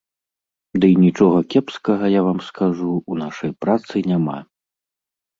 Дый нічога кепскага, я вам скажу, у нашай працы няма.